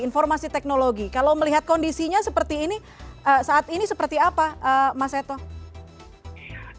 informasi teknologi kalau melihat kondisinya seperti ini saat ini seperti apa mas eto